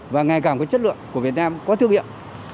và ngày càng có chất lượng của việt nam có thương hiệu